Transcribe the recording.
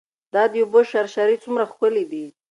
دا د اوبو شرشرې څومره ښکلې دي.